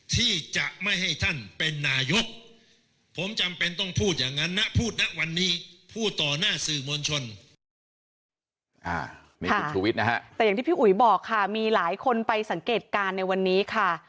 แต่อย่างที่พี่อุ๋ยบอกค่ะมีหลายคนไปสังเกตการณ์ในวันนี้ค่ะ